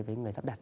với người sắp đặt